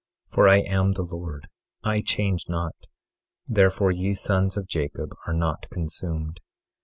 24:6 For I am the Lord, I change not; therefore ye sons of Jacob are not consumed.